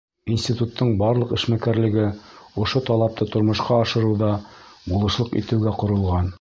Институттың барлыҡ эшмәкәрлеге ошо талапты тормошҡа ашырыуҙа булышлыҡ итеүгә ҡоролған.